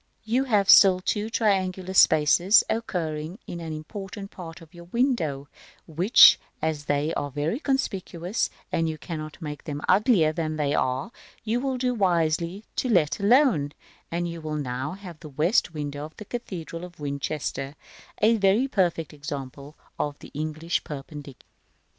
You have still two triangular spaces occurring in an important part of your window, g g, which, as they are very conspicuous, and you cannot make them uglier than they are, you will do wisely to let alone; and you will now have the west window of the cathedral of Winchester, a very perfect example of English Perpendicular.